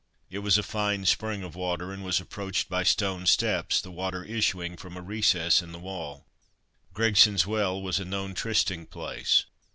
It was a fine spring of water, and was approached by stone steps: the water issuing from a recess in the wall. "Gregson's Well" was a known trysting place.